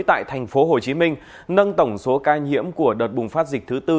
tại thành phố hồ chí minh nâng tổng số ca nhiễm của đợt bùng phát dịch thứ tư